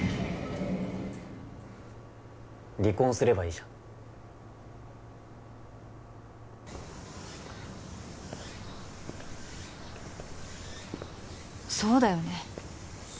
離婚すればいいじゃんそうだよね